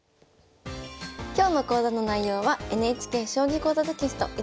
今日の講座の内容はＮＨＫ「将棋講座」テキスト